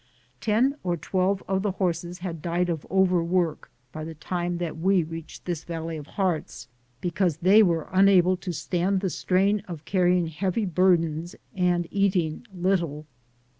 Ten or twelve of the horses had died of overwork by the time that we reached this Valley of Hearts, because they were unable to stand the strain of carry ing heavy burdens and eating little.